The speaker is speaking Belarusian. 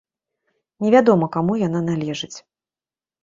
Невядома каму яна належыць.